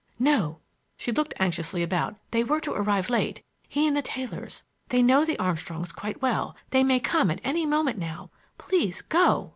"No,"—she looked anxiously about,—"they were to arrive late, he and the Taylors; they know the Armstrongs quite well. They may come at any moment now. Please go!"